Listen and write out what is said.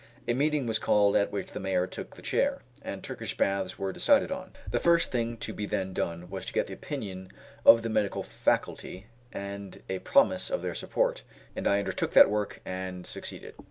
A meeting was called at which the Mayor took the chair, and Turkish baths were decided on. The first thing to be then done was to get the opinion of the medical faculty, and a promise of their support, and I undertook that work, and succeeded.